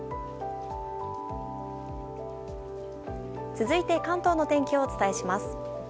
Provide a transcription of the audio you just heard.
続いて関東の天気をお伝えします。